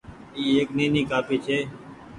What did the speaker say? اي ايڪ نيني ڪآپي ڇي۔